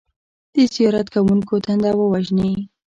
د زیارت کوونکو تنده ووژني.